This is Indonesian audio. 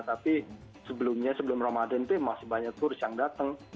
tapi sebelumnya sebelum ramadhan itu masih banyak turis yang datang